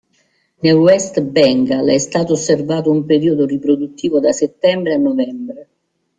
Nel West Bengal è stato osservato un periodo riproduttivo da settembre a novembre.